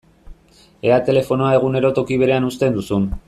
Ea telefonoa egunero toki berean uzten duzun!